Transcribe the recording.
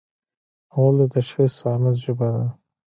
غول د تشخیص صامت ژبه ده.